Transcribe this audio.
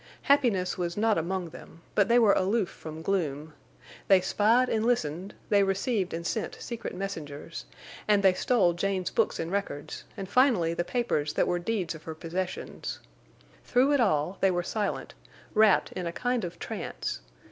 Happiness was not among them, but they were aloof from gloom. They spied and listened; they received and sent secret messengers; and they stole Jane's books and records, and finally the papers that were deeds of her possessions. Through it all they were silent, rapt in a kind of trance.